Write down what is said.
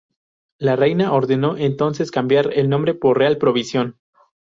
La Reina ordenó entonces cambiar el nombre por Real Provisión.